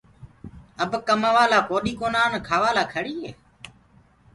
اب ڪمآوآ لآ ڪوڏيٚ ڪونآ کآوآ لآ کڙيٚ